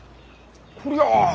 こりゃあ。